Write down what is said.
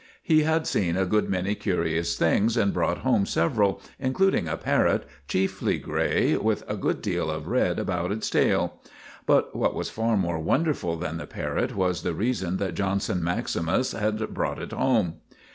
He had seen a good many curious things and brought home several, including a parrot, chiefly grey with a good deal of red about its tail. But what was far more wonderful than the parrot was the reason that Johnson maximus had brought it home.